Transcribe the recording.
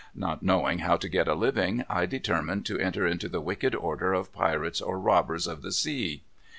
Not knowing how to get a living, I determined to enter into the wicked order of pirates or robbers of the sea.